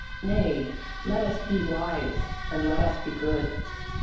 Nay, let us be wise and let us be good.